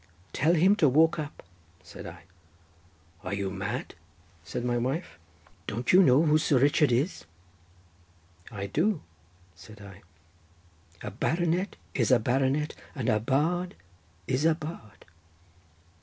'Tell him to walk up,' said I. 'Are you mad?' said my wife. 'Don't you know who Sir Richard is?' 'I do,' said I, 'a baronet is a baronet, but a bard is a bard.